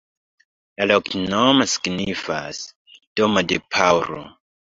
La loknomo signifas: domo de Paŭlo.